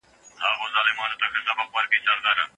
د انسان خوی د جغرافيا تر اغېز لاندې دی.